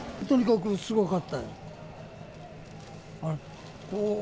とにかくすごかった。